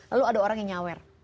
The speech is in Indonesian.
lalu ada orang yang nyawer